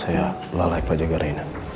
saya lalai pak jaga rina